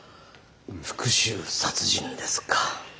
復讐殺人ですか。